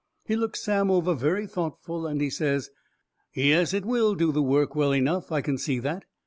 He looks Sam over very thoughtful, and he says: "Yes, it will do the work well enough. I can see that.